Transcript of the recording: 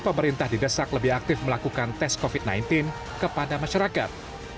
pemerintah didesak lebih aktif melakukan tes covid sembilan belas kepada masyarakat